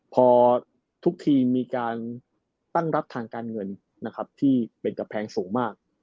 พอทุกทีมมีการตั้งรับทางการเงินนะครับที่เป็นกำแพงสูงมาก